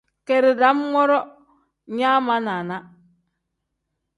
Keeri dam woro nyaa ma naana.